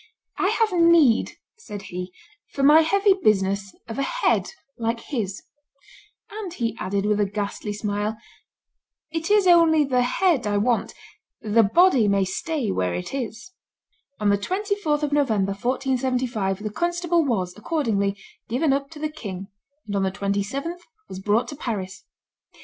"I have need," said he, "for my heavy business, of a head like his;" and he added, with a ghastly smile, "it is only the head I want; the body may stay where it is." On the 24th of November, 1475, the constable was, accordingly, given up to the king; and on the 27th, was brought to Paris.